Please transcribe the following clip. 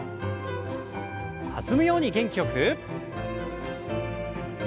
弾むように元気よく。